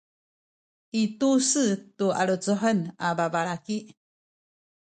i tu-se tu lecuhen a balaki